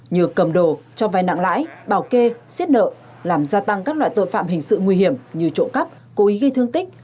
như cầm đồ cho vai nặng lãi bảo kê xiết nợ làm gia tăng các loại tội phạm hình sự nguy hiểm như trộm cắp cố ý gây thương tích